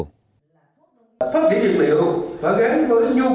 phát triển dược liệu và gắn với nhu cầu thị trường